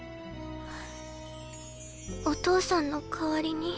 お父さんの代わりに？